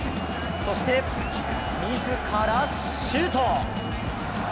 そして自らシュート！